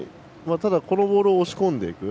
ただ、このボールを押し込んでいく。